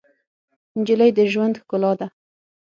نجلۍ د ژوند ښکلا ده.